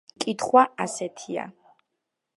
კითხვა ასეთია.